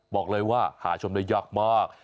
บอกเลยว่าหาชมได้ยากมาก